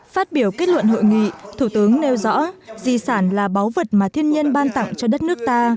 phát biểu kết luận hội nghị thủ tướng nêu rõ di sản là báu vật mà thiên nhiên ban tặng cho đất nước ta